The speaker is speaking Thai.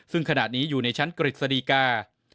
ซึ่งขณะนี้อยู่ในชั้นกฤษฎีกา